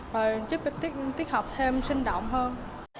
và giúp tiết học thêm sinh động hơn